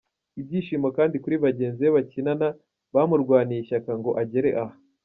Ibyishimo kandi kuri bagenzi be bakinana bamurwaniye ishyaka ngo agere aha.